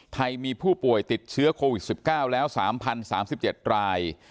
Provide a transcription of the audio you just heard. ไทยมีผู้ป่วยติดเชื้อโควิด๑๙แล้ว๓๐๓๗ราย